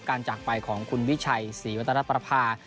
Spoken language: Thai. จากไปของคุณวิชัยศรีวัตนประภา